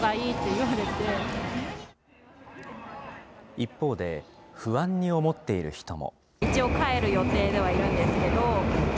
一方で、不安に思っている人も。